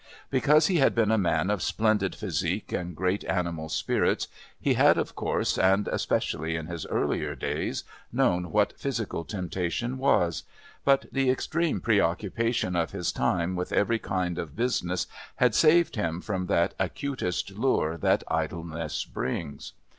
Because he had been a man of splendid physique and great animal spirits he had, of course, and especially in his earlier days, known what physical temptation was, but the extreme preoccupation of his time with every kind of business had saved him from that acutest lure that idleness brings.